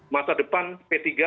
masa depan p tiga